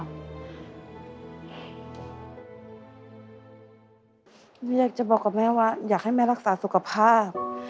อยากจะบอกกับแม่ว่าอยากให้แม่รักษาสุขภาพ